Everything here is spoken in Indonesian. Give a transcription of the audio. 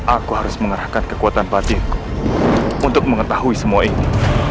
aku harus mengarahkan kekuatan batik untuk mengetahui semua ini